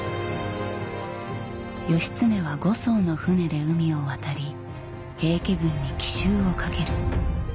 義経は５艘の舟で海を渡り平家軍に奇襲をかける。